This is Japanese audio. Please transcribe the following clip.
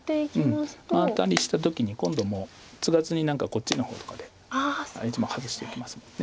アタリした時に今度もうツガずに何かこっちの方とかで１目ハズしていけますもんね。